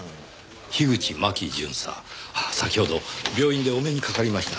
樋口真紀巡査先ほど病院でお目にかかりました。